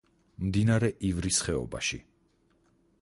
მდინარე ივრის ხეობაში.